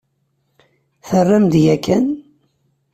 Terram-d yakan?